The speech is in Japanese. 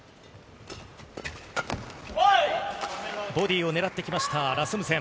ボディーをねらっていきました、ラスムセン。